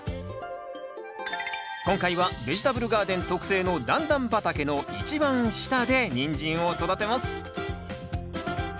今回はベジタブルガーデン特製の段々畑の一番下でニンジンを育てます。